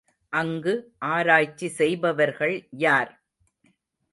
அங்கு ஆராய்ச்சி செய்பவர்கள் யார்?